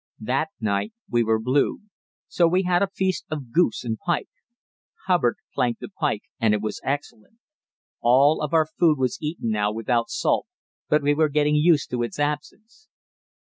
That night we were blue; so we had a feast of goose and pike. Hubbard planked the pike, and it was excellent. All of our food was eaten now without salt, but we were getting used to its absence.